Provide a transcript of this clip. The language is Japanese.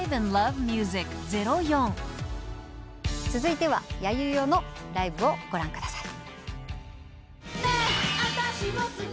続いてはヤユヨのライブをご覧ください。